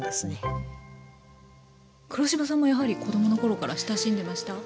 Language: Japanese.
黒島さんもやはり子供の頃から親しんでました？